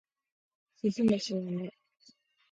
鈴虫の音